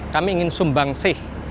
kami ingin sumbang sih